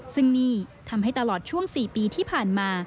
ซึ่งนี่ทำให้ตลอดช่วง๔ปีที่ผ่านมา